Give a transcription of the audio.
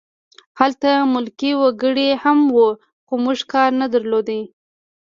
هلته ملکي وګړي هم وو خو موږ کار نه درلود